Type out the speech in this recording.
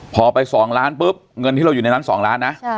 พอไป๒ล้านปุ๊บเงินที่เราอยู่ในนั้น๒ล้านนะ